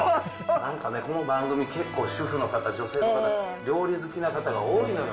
なんかこの番組、結構、主婦の方、女性の方、料理好きな方が多いのよ。